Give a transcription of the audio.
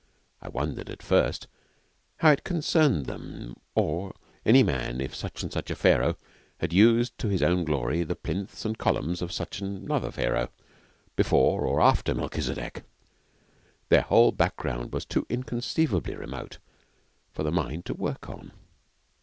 I wondered, at first, how it concerned them or any man if such and such a Pharaoh had used to his own glory the plinths and columns of such another Pharaoh before or after Melchizedek. Their whole background was too inconceivably remote for the mind to work on.